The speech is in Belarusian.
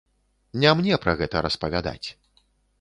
Не мне пра гэта распавядаць.